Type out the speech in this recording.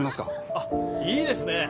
あっいいですね！